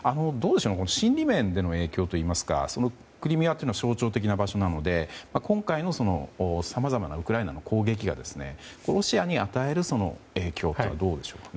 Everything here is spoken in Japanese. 心理面での影響はクリミアは象徴的な場所なので今回のさまざまなウクライナの攻撃がロシアに与える影響はどうでしょうか？